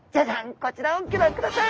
こちらをギョ覧ください。